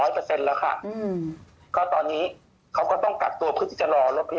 คนขับรถโควิดสิบสี่ร้อยเปอร์เซ็นต์แล้วค่ะอืม